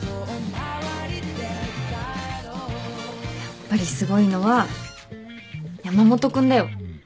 やっぱりすごいのは山本君だよ。